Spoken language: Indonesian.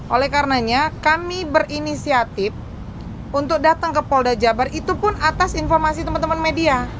oleh karenanya kami berinisiatif untuk datang ke polda jabar itu pun atas informasi teman teman media